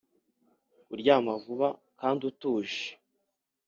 kuryama vuba kandi utuje,